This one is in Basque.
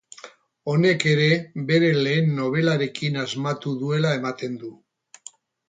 Honek ere bere lehen nobelarekin asmatu duela ematen du.